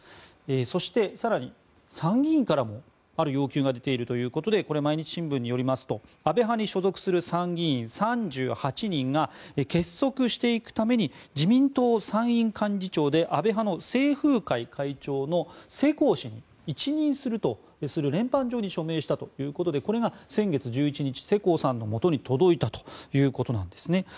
そして更に参議院からもある要求が出ているということでこれ、毎日新聞によりますと安倍派に所属する参議員３８人が結束していくために自民党を参院幹事長で安倍派の清風会会長の世耕さんに一任するという連判状に署名したということでこれが先月１１日世耕さんのもとに届いたということです。